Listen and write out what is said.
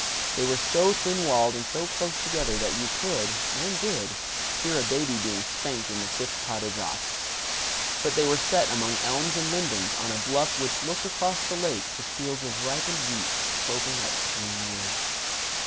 They were so thin walled and so close together that you could and did hear a baby being spanked in the fifth cottage off. But they were set among elms and lindens on a bluff which looked across the lake to fields of ripened wheat sloping up to green woods.